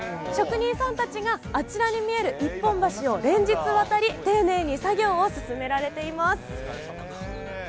職人さんたちがあちらに見える一本橋を連日渡り、丁寧に作業を進められています。